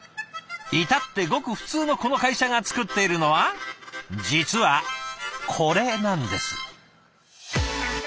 至ってごく普通のこの会社が作っているのは実はこれなんです。